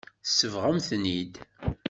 Tsebɣem-ten-id.